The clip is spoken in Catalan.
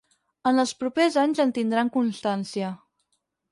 En els propers anys en tindran constància.